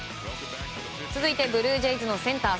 続いてブルージェイズのセンター